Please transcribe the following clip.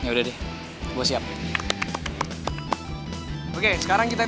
udah donket tiktok